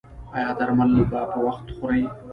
ایا درمل به په وخت خورئ؟